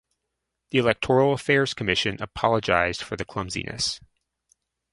The Electoral Affairs Commission apologised for the clumsiness.